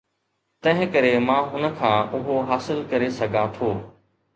تنهنڪري مان هن کان اهو حاصل ڪري سگهان ٿو.